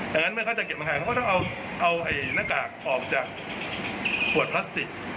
ดังนั้นเมื่อเขาจะเก็บอาหารเขาก็ต้องเอาหน้ากากออกจากขวดพลาสติก